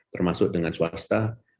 termasuk dengan swasta